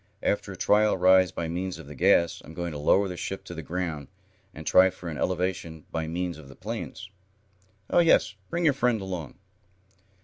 After a trial rise by means of the gas, I'm going to lower the ship to the ground, and try for an elevation by means of the planes. Oh, yes, bring your friend along."